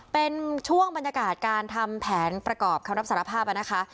เป็นช่วงบรรยากาศการทำแผนประกอบคำรับสารภาพนะคะ